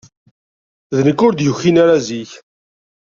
D nekk ur d-yukin ara zik.